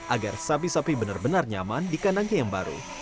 agar sapi sapi benar benar nyaman di kandangnya yang baru